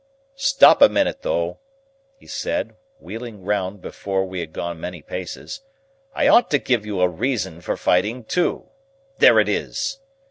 "Stop a minute, though," he said, wheeling round before we had gone many paces. "I ought to give you a reason for fighting, too. There it is!"